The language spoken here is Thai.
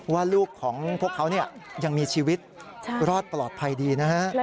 ว่าลูกของพวกเขายังมีชีวิตรอดปลอดภัยดีนะฮะ